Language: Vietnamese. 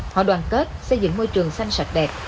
họ đoàn kết xây dựng môi trường xanh sạch đẹp